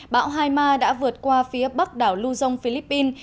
bão hai ma đã vượt qua phía bắc đảo lưu dông philippines